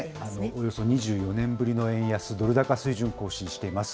およそ２４年ぶりの円安ドル高水準を更新しています。